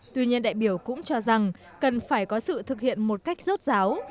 tuy nhiên đại biểu cũng cho rằng cần phải có sự thực hiện một cách rốt ráo